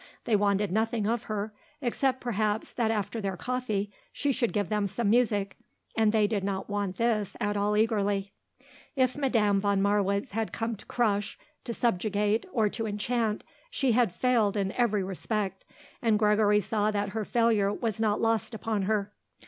They wanted nothing of her, except, perhaps, that after their coffee she should give them some music, and they did not want this at all eagerly. If Madame von Marwitz had come to crush, to subjugate or to enchant, she had failed in every respect and Gregory saw that her failure was not lost upon her.